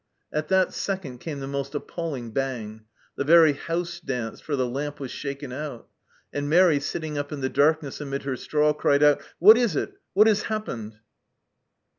At that second came the most appalling bang ; the very house danced, for the lamp was shaken out ! And Mairi, sitting up in the darkness amid her straw, cried out, " What is it ? What has happened